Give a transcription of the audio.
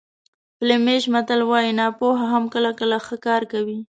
فلیمیش متل وایي ناپوه هم کله کله ښه کار کوي.